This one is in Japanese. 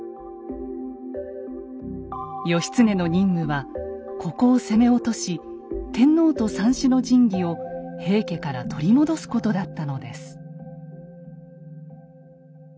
義経の任務はここを攻め落とし天皇と三種の神器を平家から取り戻すことだったのです。